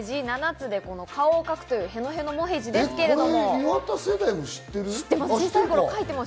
７つでこの顔を描く、へのへのもへじですけれど。